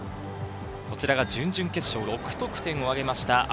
こちらが準々決勝で６得点をあげました